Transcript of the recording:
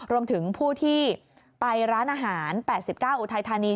รวมถึงผู้ที่ไปร้านอาหาร๘๙อุทัยธานี